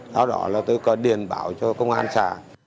sau đó là tôi có điền bảo cho công an xả